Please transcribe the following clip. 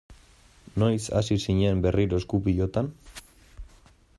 Noiz hasi zinen berriro esku-pilotan?